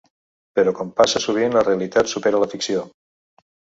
Però, com passa sovint, la realitat supera la ficció.